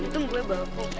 tunggu gue bawa komentar